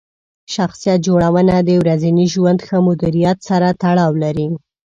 شخصیت جوړونه د ورځني ژوند ښه مدیریت سره تړاو لري.